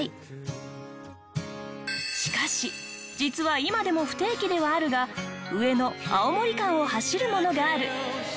しかし実は今でも不定期ではあるが上野青森間を走るものがある。